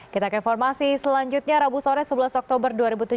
kita ke informasi selanjutnya rabu sore sebelas oktober dua ribu tujuh belas